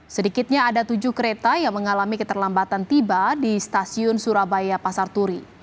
sedikitnya ada tujuh kereta yang mengalami keterlambatan tiba di stasiun surabaya pasar turi